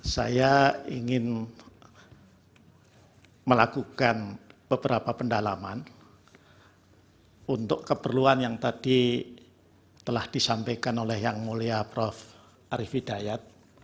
saya ingin melakukan beberapa pendalaman untuk keperluan yang tadi telah disampaikan oleh yang mulia prof arief hidayat